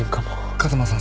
風間さん